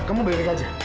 kamu beritahu aja